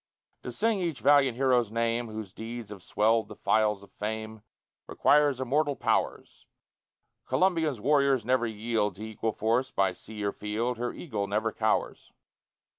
To sing each valiant hero's name Whose deeds have swelled the files of fame, Requires immortal powers; Columbia's warriors never yield To equal force by sea or field, Her eagle never cowers.